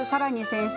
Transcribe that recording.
先生